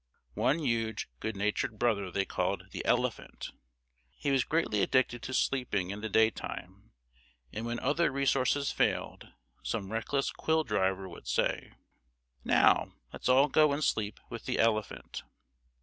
One huge, good natured brother they called "the Elephant." He was greatly addicted to sleeping in the daytime; and when other resources failed, some reckless quill driver would say: "Now, let's all go and sleep with the Elephant."